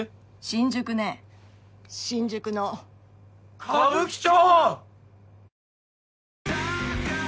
新宿ね新宿の歌舞伎町！